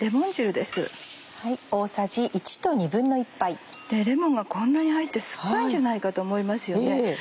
レモンがこんなに入って酸っぱいんじゃないかと思いますよね。